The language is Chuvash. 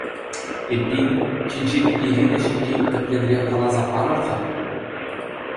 Эппин, Чечек-Ирина ҫинчен тӗплӗнрех каласа парӑр-ха?